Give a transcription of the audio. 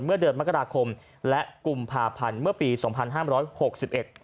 เมื่อเดือนมกราคมและกุมภาพันธ์เมื่อปีสองพันห้ามร้อยหกสิบเอ็ด